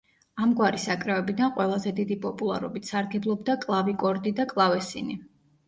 ამგვარი საკრავებიდან ყველაზე დიდი პოპულარობით სარგებლობდა კლავიკორდი და კლავესინი.